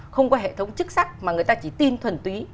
không có hệ thống chức sắc mà người ta chỉ tin thuần túy